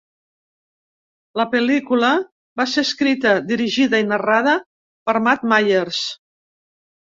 La pel·lícula va ser escrita, dirigida i narrada per Matt Myers.